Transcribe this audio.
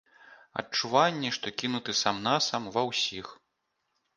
Адчуванні, што кінуты сам-насам, ва ўсіх.